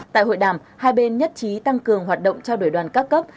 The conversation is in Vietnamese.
tại hội đàm hai bên nhất trí tăng cường hoạt động trao đổi đoàn các cấp